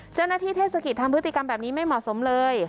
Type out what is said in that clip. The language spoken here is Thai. เจ้าหน้าที่เศรษฐกิจทำพฤติกรรมแบบนี้ไม่เหมาะสมเลย